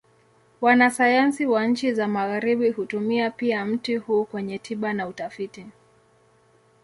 Wanasayansi wa nchi za Magharibi hutumia pia mti huu kwenye tiba na utafiti.